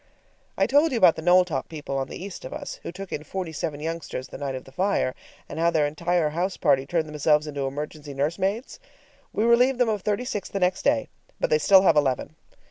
I told you about the Knowltop people on the east of us, who took in forty seven youngsters the night of the fire, and how their entire house party turned themselves into emergency nursemaids? We relieved them of thirty six the next day, but they still have eleven.